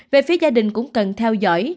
về phía gia đình cũng cần theo dõi